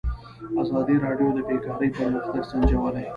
ازادي راډیو د بیکاري پرمختګ سنجولی.